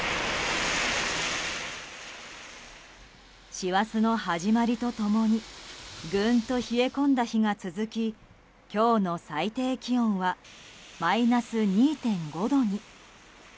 師走の始まりと共にぐんと冷え込んだ日が続き今日の最低気温はマイナス２．５度に。